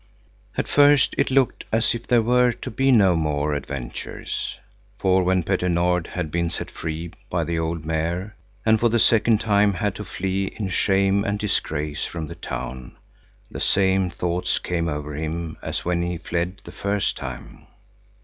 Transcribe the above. At first it looked as if there were to be no more adventures. For when Petter Nord had been set free by the old Mayor, and for the second time had to flee in shame and disgrace from the town, the same thoughts came over him as when he fled the first time.